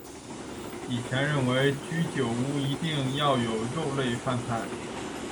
以前认为居酒屋一定要有肉类饭菜。